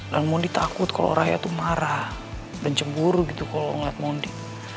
dan mundi takut kalau raya tuh marah dan cemburu gitu kalau ngeliat mundi